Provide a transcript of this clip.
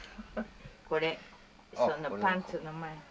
これそのパンツの前に。